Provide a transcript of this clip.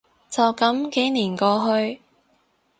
就噉幾年過去